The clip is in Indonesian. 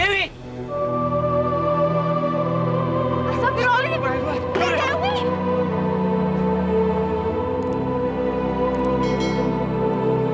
eh wiwi tunggu tunggu